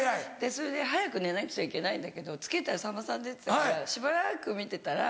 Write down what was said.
それで早く寝なくちゃいけないんだけどつけたらさんまさん出てたからしばらく見てたら。